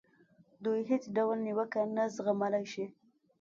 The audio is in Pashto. دوی هېڅ ډول نیوکه نه زغملای شي.